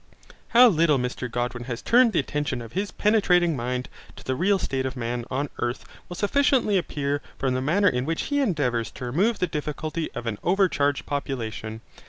How little Mr Godwin has turned the attention of his penetrating mind to the real state of man on earth will sufficiently appear from the manner in which he endeavours to remove the difficulty of an overcharged population.